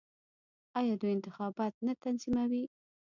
آیا دوی انتخابات نه تنظیموي؟